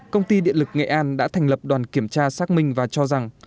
công ty điện lực nghệ an đã thành lập đoàn kiểm tra xác minh và cho rằng